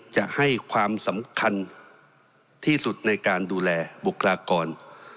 จะให้ความสำคัญที่สุดในการดูแลบุคลากร